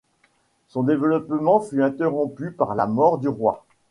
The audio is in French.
Son développement fut interrompu par la mort du roi.